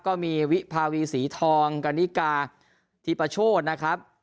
ก็มีวิภาวีสีทองกันนิกาธิปโชธนะครับ